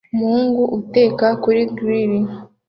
Umuhungu uteka kuri grill